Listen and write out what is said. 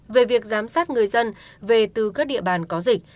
về việc giám sát người dân về từ các địa bàn có dịch